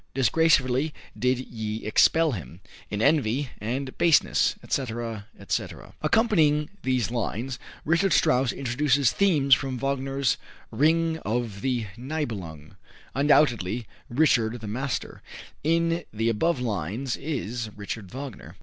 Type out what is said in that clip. Disgracefully did ye expel him In envy and baseness," etc., etc. Accompanying these lines, Strauss introduces themes from Wagner's "Ring of the Nibelung." Undoubtedly "Richard the Master," in the above lines, is Richard Wagner.